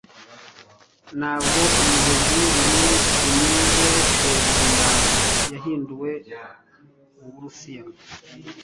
ntabwo umugezi wubururu unyuze hejuru yawe yahinduwe muburusiya